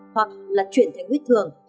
hoặc là chuyển thành buýt thường